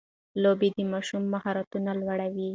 لوبې د ماشوم مهارتونه لوړوي.